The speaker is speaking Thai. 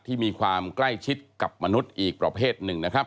ที่มีความใกล้ชิดกับมนุษย์อีกปรเภทหนึ่ง